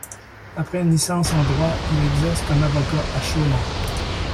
Après une licence en droit, il exerce comme avocat à Chaumont.